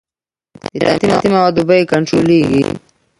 د تعمیراتي موادو بیې کنټرولیږي؟